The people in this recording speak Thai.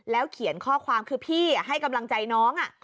เขียนข้อความคือพี่ให้กำลังใจน้อง